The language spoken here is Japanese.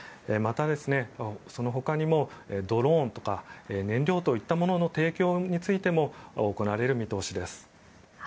また、そのほかにもドローンとか燃料といったものの提供についても行われる見通しです。